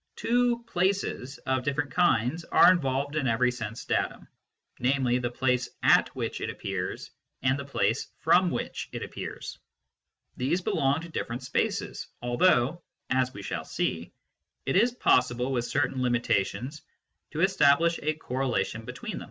Two " places " of different kinds are involved in every sense datum, namely the place at which it appears and the place from which it appears. These belong to different spaces, although, as we shall see, it is possible, with certain limitations, to establish a correlation between them.